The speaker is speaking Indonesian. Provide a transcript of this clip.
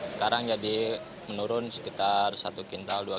sekarang jadi menurun sekitar satu kintal